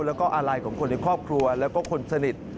แล้วก็อาลัยของคนในครอบครัวแล้วก็คนสนิท